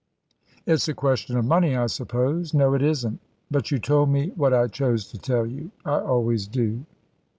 "It's a question of money, I suppose." "No, it isn't." "But you told me " "What I chose to tell you. I always do."